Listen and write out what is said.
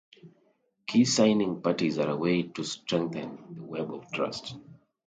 Key signing parties are a way to strengthen the web of trust.